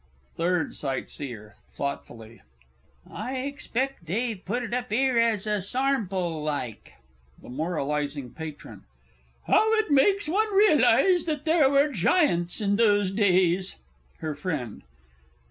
THIRD S. (thoughtfully). I expect they've put it up 'ere as a sarmple like. THE MORALIZING MATRON. How it makes one realize that there were giants in those days! HER FRIEND.